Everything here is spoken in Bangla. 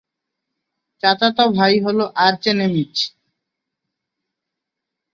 চাচাত ভাই হ'ল আর্চেনেমিজ।